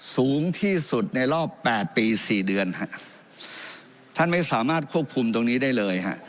สูงที่สุดในรอบแปดปีสี่เดือนฮะท่านไม่สามารถควบคุมตรงนี้ได้เลยฮะ